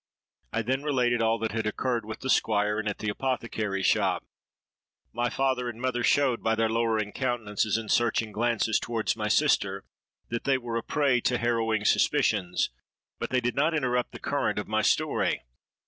'—I then related all that had occurred with the Squire and at the apothecary's shop.—My father and mother showed, by their lowering countenances and searching glances towards my sister, that they were a prey to harrowing suspicions; but they did not interrupt the current of my story.